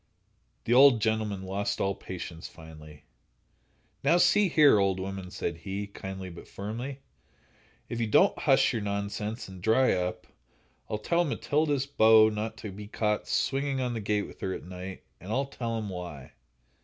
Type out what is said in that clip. The old gentleman lost all patience, finally. "Now, see here, old woman," said he, kindly, but firmly; "if you don't hush your nonsense and dry up, I'll tell Matilda's beaux not to be caught swinging on the gate with her at night, and I'll tell 'em why."